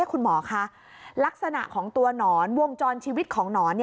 คุณหมอคะลักษณะของตัวหนอนวงจรชีวิตของหนอน